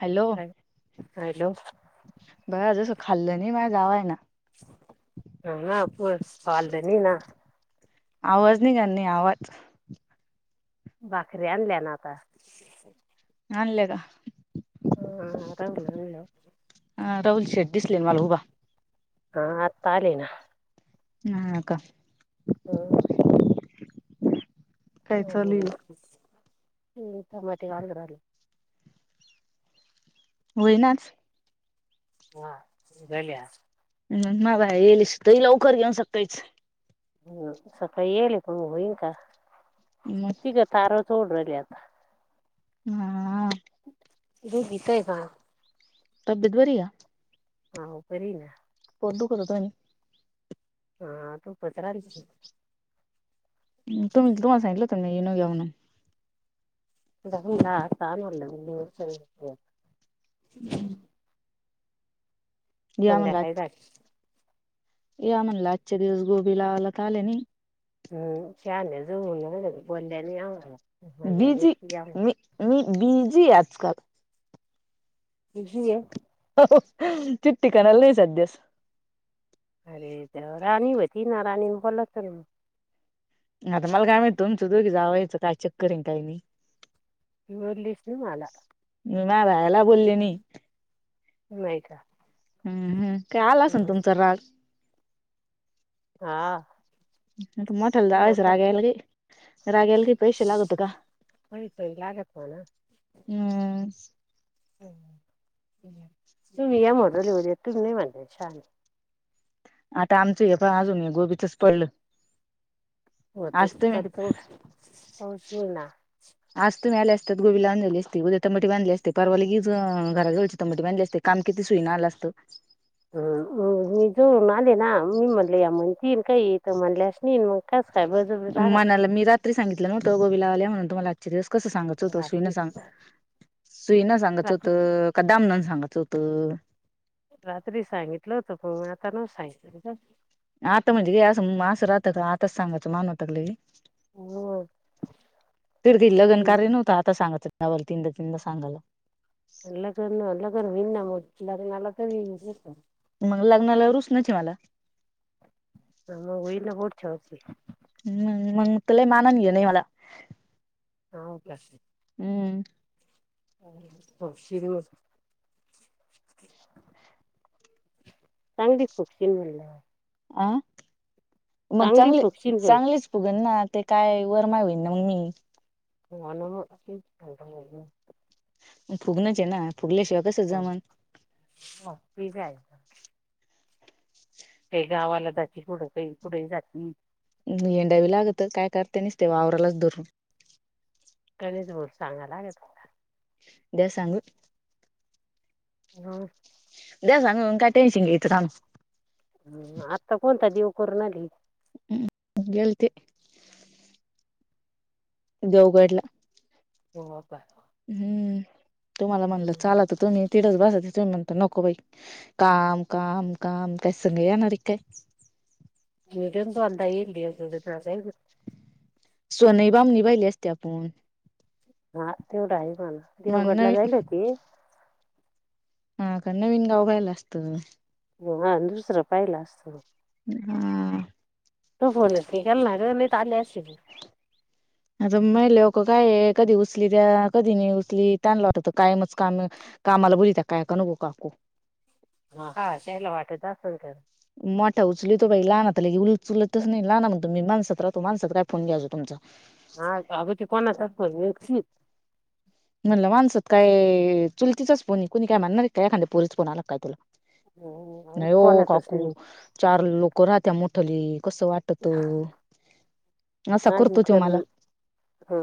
Hello hello बाहेर जस खाल्लं नाही माह्या जावाया न ह अ पू पावालदनी ना [inaudible] आवाज नाही करणे आवाज भाकरी आणल्या न आता आणल्या का हा ह आरामल नल [inaudible] अ राहुल शेठ दिसले मला उभा हा आता आलेन ह का हम् ह काय ह चालूल ह टमाटे गाजर होईनाच झालया ना बा येलस त लवकर घेऊन शकताच [inaudible] हम् सकाळी येईल हे होईल का मग तीघच सोडु राहीले आता हां दुध विकाय का तब्येत बरी आहे का हा बरी आहे ना दुखव होत काही हा तू पचरालस [inaudible] तुम्ही तुम्हाला सांगितलं त ईनो घ्या म्हणून अ तानला हम्म संध्याकाळ झाली या म्हणलं आजच्या दिवस गोबी लावायला आले नाही हम्म शानान जाऊन बोलल्याने आ [inaudible] बिझी बिझी आजकाल बिझी आहे चिठ्ठी करायले नाही सध्यास अरे तर राणी होती ना राणीन बोलायचं न- आता मला काय माहीत तुमचं दोघी जावायायच काय चक्कर आहे काही नाही- बोललीच ना मला. ना रायला [unintelligible] बोलली नाही हम्य का [unintelligible] हम्म हम् काय आला अस ना हं. तुमचा राग हां मोठाल्या जावायचा राग यायले लगे राग यायले काय पैसे लागते का होई तर हम् तुम्ही यामड लव दे तुम्ही नाही म्हजेस आणि आता आमचं हे प अजून गोबीचच पडलं हो त आज तुम्ही तरी प पौश ना त गोबी बांधलेली असते उद्या तमटी बांधली असते परवागी ग घराजवळची तमबट बांधले असते काम किती सुईना आला असते हो हम मी जरून आले ना मीमले या म्हण तीन काही येतं म्हणल्या न मग कास काय बळजबरी लागत मनाला मी रात्री सांगितलं नव्हतं गोबीला आल्या म्हणून तुमला आजचे दिवस कसं सांगाच होत सुई न रात्री सांग सुई न सांगाच होत रात्री कदाम न सांगायच होत रात्री सांगितलं होतो प आता न सांगितलं आता म्हणजे ग असं असं राहत आताच सांगाचं मानवताग तड काही हं. लगनकार्य नव्हतं आता सांगाच नवल तीनदा तीनदा सांगाला नलाकरण नकरर वि ना मो न तररी मग लग्नाला रुच नाही मला आम उई ना बढ च वशी म मग तुला मानान घे नाही मला हा उप हम्म. अ शर म चांगली खूपशी म्होलल्या अ मग चांगली खुपशील म्हणलं चांगलीच फुघण ना ते काय वरमावीन ना मग मी मण फुगणच आहे ना. फुगल्याशिवाय कसं हो जमन ते काय काही गावाला जा कुढं काही कुठे जात नाही. येंडावी लागत काय करते नसते वावरालाच धरून कणच बर सांगालागे तुला दया सांगू. हम्. द्या सांग काय टेन्शिंग घेेत काग हम् आता कोणता देव करून आली. हम् गलती देवगडला हो होता. हम्म तुम्हाला म्हणलं चाला मी तर तुम्ही तिडच बसत त म्हणता नको बाई काम काम काम काय संग येणारी काय दडंद अंद येईल दड स्वनई बाम निभहिले असते आपण हा तेवढा आहे पण मग देवगडला नवी जाईल होती. हा कन्णवीन गा उघायला असतं. हा दुसरं पाहिला असतं. हा. त फोलती का ना ग तले असस आता म्हहि लक काय कधी उचली त्या कधी नाही उचली तला वाटत काय मच काम कामाला बोलिवत्या कायका का नको काको हा, हा त्याला वाटत असल तर [inaudible] मोठा उचली तो बाई लाहनात ले उलचलतच नाही लाहना म्हग तुम्ही माणसात राहतो माणसात काय फोन घ्यायच तुमचा. [inaudible] हा अग ते कोणा असत श [inaudible] म्हणलं माणसत काय चुलतीच फोन कुणी काय म्हणणार आहे काय खांद पोरीच फो आला काय तुला [inaudible] अगं नाही. ते हो कोणाचाच नाही काकू चार लोक राहत्या मोठली कसं वाटतो [inaudible] हा चच [inaudible] कर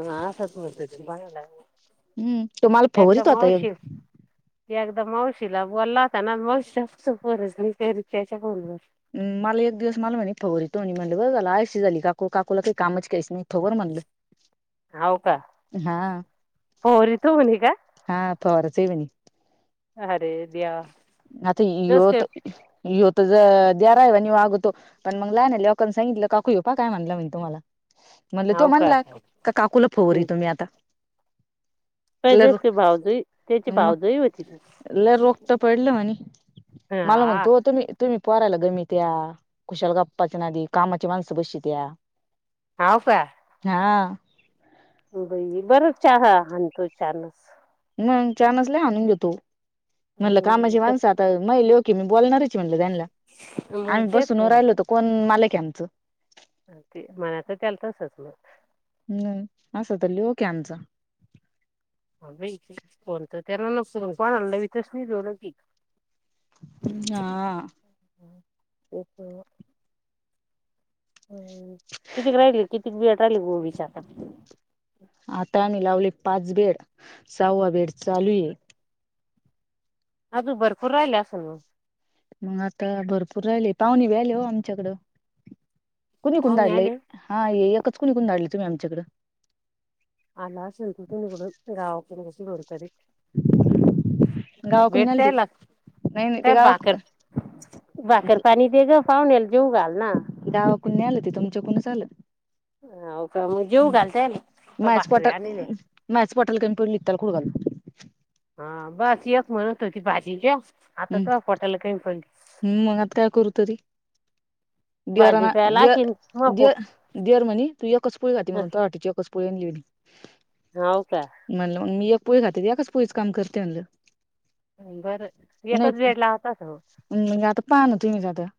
हाचतला हम्म तो मला [inaudible] फवरीत एकदम होता अवशष ते एकदम [inaudible] मावशीला ब लावताना मावशीच्यार र्च्या म मला एक दिवस मला म्हणे फगर य तो आणि म्हटलं बघला शी झाली काकू काकूला काही कामच करायच नाही फवर म्हणलं हाव का [inaudible] हा पोरी तो म्हणे का हा फर जवेणे [inaudible] [inaudible] अरे द्या [inaudible] मता यवत य ज द्याराहि वाग होतो पण मग लय ना लवकांना सांगितलं काकू ये पा काय म्हणलं म्हणे तुम्हाला [inaudible] [inaudible] म्हणल तो हाव का म्हणला का काकुला फोवर हं. तुम्ही आता. [inaudible] पण एलर जस काय भावजोई त्याची भावजोई होती ती एलर हगत. पडलं मला [inaudible] हा म्हणतो तुम्ही तुम्ही पारायला गमीित्या कुशाल गप्पाच्या नादी कामाची माणसं बशीित या [inaudible] ह का. [inaudible] हा. बई बरंच चहा [unintelligible] चानस [unintelligible] ग चानस लई आणून देतो, म्हणलं हम्म, कामाची ते माणसं आता माई ल्योक ये मी बोलणारच ची म्हणलं त्यानला मग आम्ही तेच बसून राहिलो तो कोण मालक ये आमचं अ ते [unintelligible] त्याला तसच मी हम्म असं त ल्योक ये आमचा हा बई [unintelligible] कोणत [unintelligible] कोणला लावितच नई [unintelligible] हम् आ [unintelligible] [unintelligible] कितीक राहिली, कितीक बिया टाकली गोबीच्या आता आता आम्ही लावले पाच बेड, सहावा बेड चालू ये अजून भरपूर राहिले असेल मंग मंग आता भरपूर राहिले, पाहुणे बी आले हो आमच्याकडं कुणी कुणी पाहुणे धाडलंय, आले हा हे एकच कुणीकून धाडले तुम्ही आमच्याकड आला आसन [unintelligible] कुणीकडून गावा [unintelligible] गावाकडून भेट नाही आले ते तयला नाही नाही ते [unintelligible] गावा बाकर भाकर पाणी दे ग, पाहुन्याला जेऊ घाल ना कुणी आलं ते तुमच्या कुणीच आल? अ हौ का मग जेवू घाल तयाला मॅच पटल उ मॅच पटल [unintelligible] की तेला [unintelligible] हा बास, एक म्हणत होती भाजी घ्या, आता तोया पोटाला काही प हम्म मंग आता काय करू तरी भाजी देअराणा प्यायला दे आखीन मग दे पोट देअर म्हणी तू एकचपोळी खाती म्हणून तुया वाटीची एकच पोळी आणली हाव का? म्हणी म्हणलं मग मी एक पोळी खाते, [unintelligible] एकाच पोळीच काम करते म्हणलं बरं. नाई एकच बेड लावतात हो. नाही आता पहा ना तुम्हीच आता [inaudible]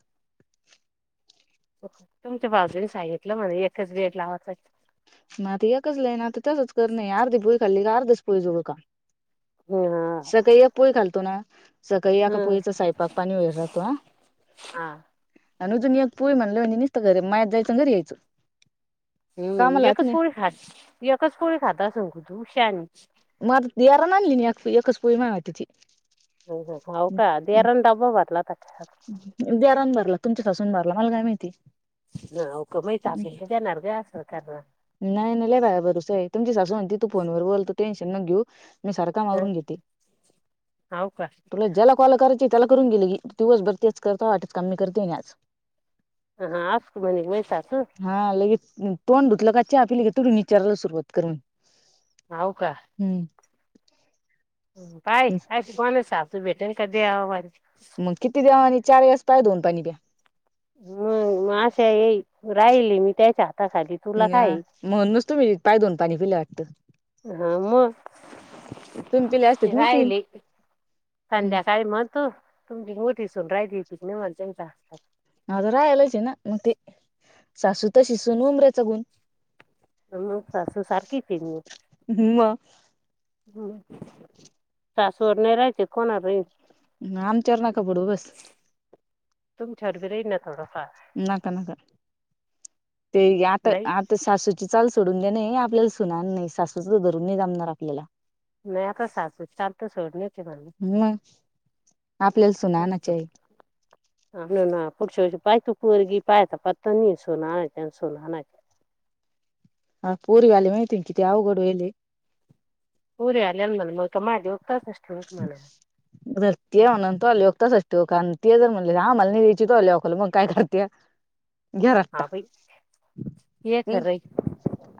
[unintelligible] तुमच्या बाजूनी सांगितलं म्हणे एकच गेट लावाचाय ना आता एकच लई ना, आता तसच करन ये, अर्धी पोळी खाल्ली का अर्धच पोळी जोग काम हं. सकायी एक पोळी खालतो ना सकाळी एका हं. पोळीचा सयपाक पाणी वैर राहतो हा हां. आणि जून एक पुरी म्हणलं म्ह नसत घर मायात जायचं घरी यायचं [inaudible] हम् कामाला हात एकच नाही पोळी खा, एकच पोळी खात असन [unintelligible] शानी माझ तेरान [unintelligible] एकच पोळी मा तिची ह ह हौ का? देरान डबा भरला का? देरान भरला तुमच्या सासून भरला मला काय माहिती न होक [unintelligible] ग असल करणार नाही नाही [unintelligible] बरोसा आहे, तुमची सासू म्हणती तू फोनवर बोल, तू टेन्शन नक घेऊ. मी सारका हं. मारून घेते, हाव का? तुला ज्याला कॉल कराचाय त्याला करून घे लगी दिवस भर तेच करता वाटत, काम मी करतेय न आज ह [unintelligible] उ तोड धुतलं का, च्या पिली का, [unintelligible] विचाराला सुरुवात करन हाव का? उम काय अशी कोणाची सासू भेटेल का देवावानी? मग किती देवावाणी चार वेळेस पाय धुऊन पाणी प्या [unintelligible] अशा ये राहिली न त्याच्यात न्या म्हणूनच तुम्ही पाय धून पाणी पिले वाटतं हा मग तुम्ही पिले असते तर मी पिईन राहिली संध्याकाळी म तू तुमची मु दिसून राहिली [unintelligible] हा तर राहायलाच हेना मग ते सासू तशी सून उमऱ्याचा गुण. म सासू सारखीच हे मी. मग हम्म. सासू [unintelligible] आमच्यावर नका पडु बस. तुमच्यावर बी राहिनात. नका, नका. ते आता, नाही आता सासूची चाल सोडून दे्याणे आपल्याला सुना नाही सासूचं तर धरून नाही जमणार आपल्याला. नाही आता सासू चाल तर सोडणी - - मग आपल्याला सुना आणायच्या हैत. आम ना पुढच्या व पाय तू पोरगी पायता पत्ता नाही सुना आणायच्या अन् सुना आणायच्या. [inaudible] हा [unintelligible] माहिती किती अवघड व्हायलय. पुरी याल्या मग तर माझ्या [unintelligible] उद ते म्हणून त्यो ल्योक तसाच ठिवू का ते जर म्हणले आम्हाला नि द्यायची तूया लेकाला मग काय करत्या. घरात हा [inaudible] बाई ये खरं आहे,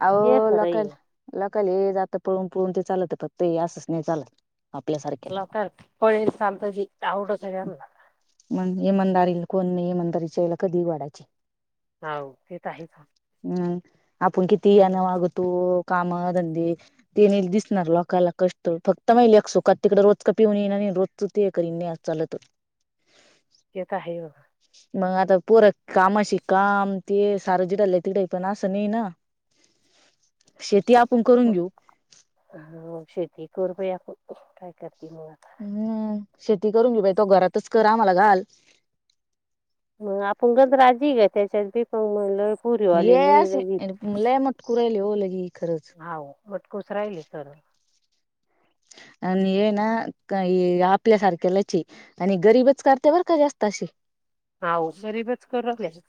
आओ ये खरं लोकाला, आहे. लोकाला. काले जात पळून पळून ते चालत फक्त असंच नाही चालत. आपल्यासारख्या लोकांना पळेल चालतं जी आवडत आहे यांना मण इमाणदारील - - कोण नाही म्हणुनतर कधी वाडाचे हाव तेे तर हाईच. ह आपण किती यान वागतो काम धं द ते नाही दिसणार लोकाला कष्ट फक्त माई लेक - - तिकडे रोज का पिऊन येणार आणि रोजच ते करीन नाही चालत. ते तर आहे बाबा. मग आता पोर कामाशी काम ते सारं जिडला तिडाई पण असं नाही ना. [inaudible] शेती आपण करून घेऊ. शेती कर बया पण काय करायच. हम्म. शेती करून घे बाई तो घरातच कर आम्हाला घाल. मग आपण [unintelligible] म्हणलं. ये पूरीवाले लय असे लगीच - लय मटकू - राहिले हो लगी खरंच. हाव बटकुस राहिले सर - - [inaudible] आण हे ना हे आपल्यासारख्यालच हे आणि गरीबच करते बर का जास्त अशे हाव गरीबच करू राहिले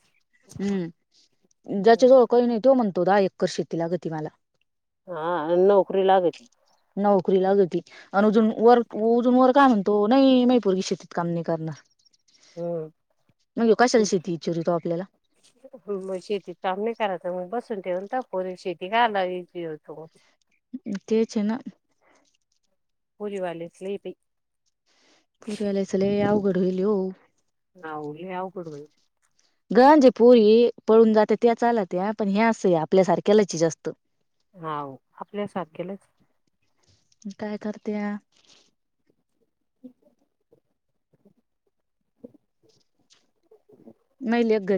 [inaudible] हम्म. ज्याच्या जवळ कोनी नाही तो म्हण दहा एक्कर शेती लागती मला. हा. नौकरी लागत. नौकरी लागती आणि अजून वर उजून वर काय म्हणतो नाही मै पूरगी शेतीत काम नाही करणार. मग यो कशाला शेती इचारितो आपल्याला. ह मग शेतीत काम नहीं करायच मग बस. ठेवनत पोरी शेती काएला विचारीतो. तेच ना. पोरी वालेच लई येती. पोरी वाल्यांच लई अवघड होईले हो. नाहो. लई अवघड होय. गंजे पुयी पळून जाते त्या चालात या पण हे असं आपल्यासारख्या लाच जास्त. हा आपल्यासारखेलाच. काय करत्या? हम [inaudible] [inaudible] मई लेक घरी - -